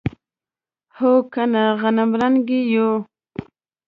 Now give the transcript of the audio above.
هو کنه غنمرنګي یو.